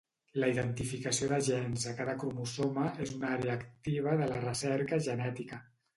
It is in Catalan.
La identificació de gens a cada cromosoma és una àrea activa de la recerca genètica.